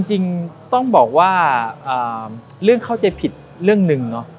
จริงต้องบอกว่าเรื่องเข้าใจผิดเรื่องหนึ่งเนาะ